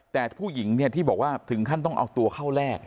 แต่ผู้หญิงเนี่ยที่บอกว่าถึงขั้นต้องเอาตัวเข้าแรก